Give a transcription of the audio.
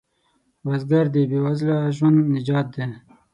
بزګر د بې وزله ژوند نجات دی